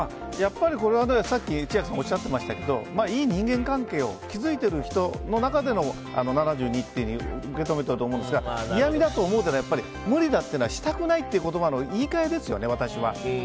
これは、さっき千秋さんがおっしゃっていましたけどいい人間関係を築いている人の中での７２というふうに受け止めたと思うんですが嫌みだと思うというのは無理だっていうのはしたくないって言葉の言い換えですよね。